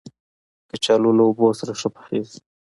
کچالو له اوبو سره ښه پخېږي